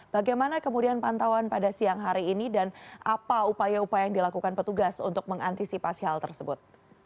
bagaimana kemudian pantauan pada siang hari ini dan apa upaya upaya yang dilakukan petugas untuk mengantisipasi hal tersebut